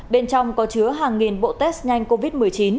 bên trong có chứa hàng nghìn bộ test nhanh covid một mươi chín